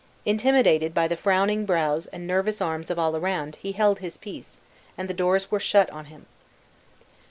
Intimidated by the frowning brows and nervous arms of all around, he held his peace, and the doors were shut on him.